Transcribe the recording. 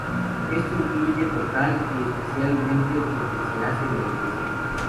Esto incluye total y especialmente lo que se hace en la iglesia.